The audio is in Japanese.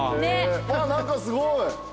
あっ何かすごい。